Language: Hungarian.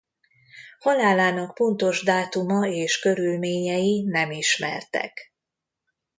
Halálának pontos dátuma és körülményei nem ismertek.